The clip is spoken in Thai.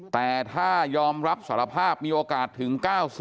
แต่ถ้ายอมรับสารภาพมีโอกาสถึง๙๐